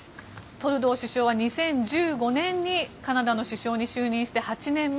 トルドー首相は２０１５年にカナダの首相に就任して８年目。